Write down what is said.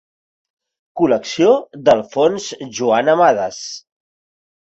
Col·lecció del fons Joan Amades.